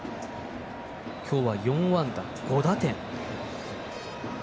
今日は４安打５打点。